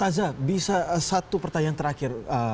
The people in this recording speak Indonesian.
maza bisa satu pertanyaan terakhir